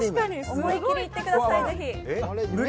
思い切りいってください。